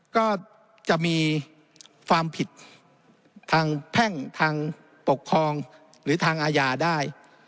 ก็จะมีความผิดทางแพ่งทางปกครองหรือทางอาญาได้